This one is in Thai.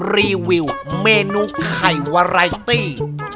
รีวิวเมนูไข่วาไรตี้